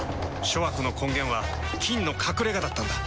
諸悪の根源は「菌の隠れ家」だったんだ。